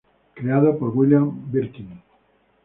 Creado por William Birkin.